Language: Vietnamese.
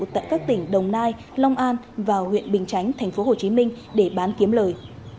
tại các tỉnh đồng nai long an và huyện bình chánh tp hcm để bán kiếm lời